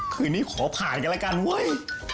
คืนนี้ขอผ่านกันแล้วกันเว้ย